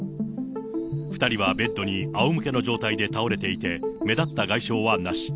２人はベッドにあおむけの状態で倒れていて、目立った外傷はなし。